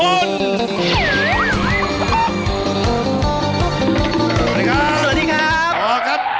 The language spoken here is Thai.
สวัสดีครับ